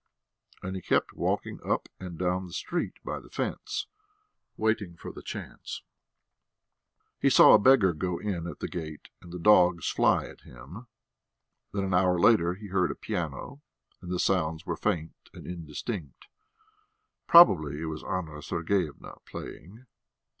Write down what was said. And he kept walking up and down the street by the fence, waiting for the chance. He saw a beggar go in at the gate and dogs fly at him; then an hour later he heard a piano, and the sounds were faint and indistinct. Probably it was Anna Sergeyevna playing.